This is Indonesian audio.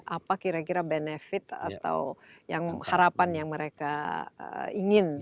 apa kira kira benefit atau harapan yang mereka ingin